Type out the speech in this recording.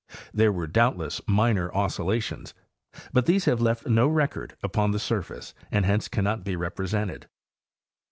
There were doubtless minor oscillations, but these have left no record upon the surface and hence cannot be represented.